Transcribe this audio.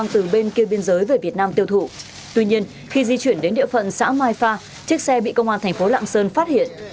tuy nhiên khi di chuyển đến địa phận xã mai pha chiếc xe bị công an tp lạng sơn phát hiện